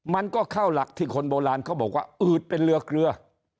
มันก็เข้าหลักที่คนโบราณเขาบอกว่าอืดเป็นเรือเกลือ